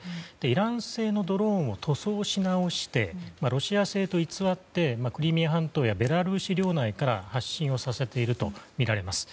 イラン製のドローンを塗装し直してロシア製と偽ってクリミア半島やベラルーシ領内から発進をさせているとみられます。